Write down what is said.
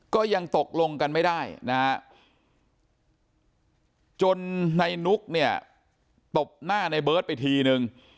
ก็ยังตกลงกันไม่ได้นะฮะจนในนุกเนี่ยตบหน้าในเบิร์ตไปทีนึง